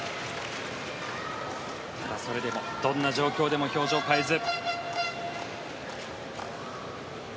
それでも、どんな状況でも表情を変えず。